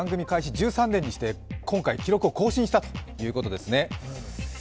１３年にして今回記録を更新したということですね。